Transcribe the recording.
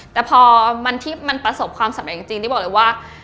แต่พอมันที่มันประสบความสำเร็จจริงที่บอกเลยว่า